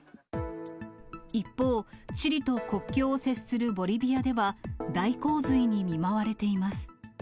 一方、チリと国境を接するボリビアでは、大洪水に見舞われています。